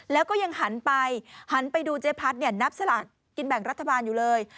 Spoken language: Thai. แล้วก็ยังหันไปหันไปดูเจ๊พัดเนี่ยนับสลากกินแบ่งรัฐบาลอยู่เลย